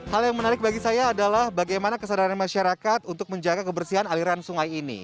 hal yang menarik bagi saya adalah bagaimana kesadaran masyarakat untuk menjaga kebersihan aliran sungai ini